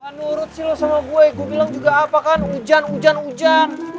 gak nurut sih lo sama gue gue bilang juga apa kan ujan ujan ujan